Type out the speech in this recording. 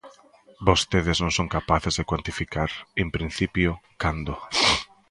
Vostedes non son capaces de cuantificar, en principio, cando.